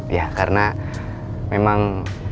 ya karena memang